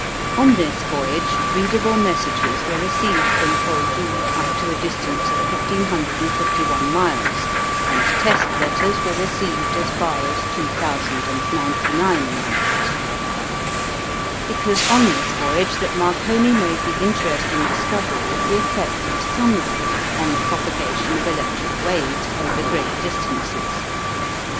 On this voyage readable messages were received from Poldhu up to a distance of 1551 miles, and test letters were received as far as 2099 miles. It was on this voyage that Marconi made the interesting discovery of the effect of sunlight on the propagation of electric waves over great distances.